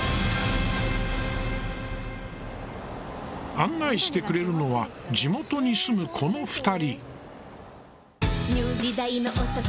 案内してくれるのは地元に住むこの２人。